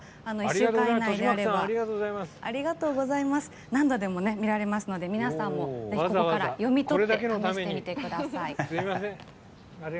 １週間以内であれば何度でも見られますので皆さんもぜひここから読み取って試してみてください。